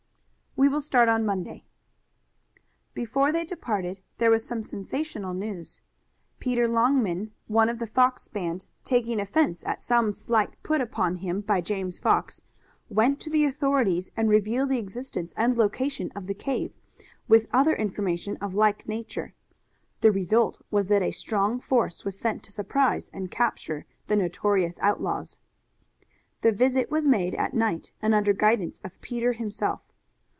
"We will start on Monday." Before they departed there was some sensational news. Peter Longman, one of the Fox band, taking offense at some slight put upon him by James Fox, went to the authorities and revealed the existence and location of the cave, with other information of a like nature. The result was that a strong force was sent to surprise and capture the notorious outlaws. The visit was made at night and under guidance of Peter himself.